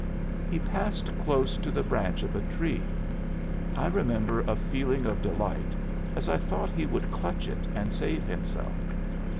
He passed close to the branch of a tree. I remember a feeling of delight as I thought he would clutch it and save himself.